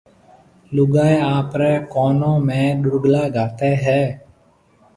لوگائيَ آپريَ ڪونون ۾ ڏُرگلا گھاتيَ ھيََََ